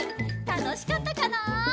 たのしかったかな？